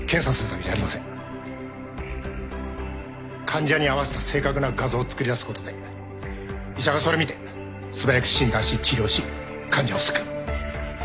患者に合わせた正確な画像を作り出すことで医者がそれ見て素早く診断し治療し患者を救う